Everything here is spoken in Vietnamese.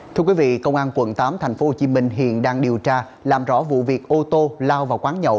thưa quý vị công an quận tám tp hcm hiện đang điều tra làm rõ vụ việc ô tô lao vào quán nhậu